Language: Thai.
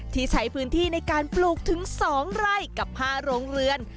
ที่ใช้พื้นที่ในการปลูกถึง๒ไร่กับ๕โรงเรือน